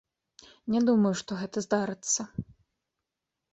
Не думаю, што гэта здарыцца.